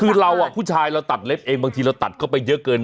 คือเราผู้ชายเราตัดเล็บเองบางทีเราตัดเข้าไปเยอะเกิน